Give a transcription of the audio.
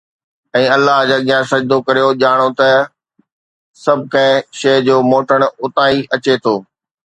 ۽ الله جي اڳيان سجدو ڪريو، ڄاڻو ته سڀڪنھن شيء جو موٽڻ اتان ئي اچي ٿو.